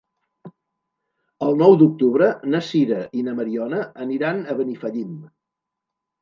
El nou d'octubre na Sira i na Mariona aniran a Benifallim.